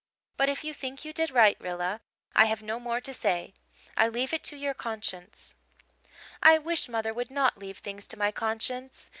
But if you think you did right, Rilla, I have no more to say. I leave it to your conscience.' "I wish mother would not leave things to my conscience!